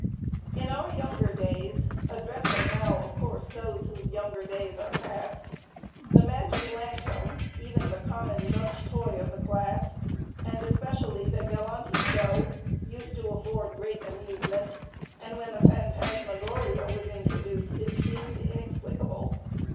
In our younger days—addressing now of course those whose younger days are past—the magic lantern, even the common Dutch toy of the class, and especially the 'Galanti show,' used to afford great amusement; and when the phantasmagoria was introduced it seemed inexplicable.